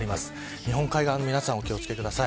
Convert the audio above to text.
日本海側の皆さんお気を付けください。